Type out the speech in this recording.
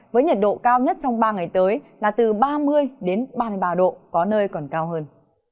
với nhiệt độ cao nhất trong ba ngày tới là từ ba mươi ba mươi ba độ có nơi còn cao hơn